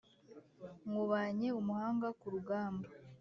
Nywubanye umuhanga ku rugamba